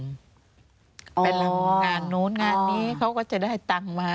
ไปทำงานนู้นงานนี้เขาก็จะได้ตังค์มา